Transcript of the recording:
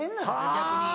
逆に。